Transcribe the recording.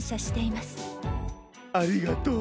ありがとう。